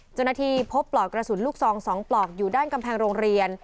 เจ้าหน้าที่พบปลอกกระสุนลูกซอง๒ปลอกอยู่ด้านกำแพงโรงเรียน